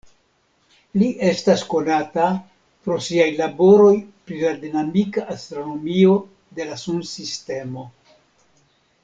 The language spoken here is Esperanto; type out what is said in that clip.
Li estas konata pro siaj laboroj pri la dinamika astronomio de la Sunsistemo.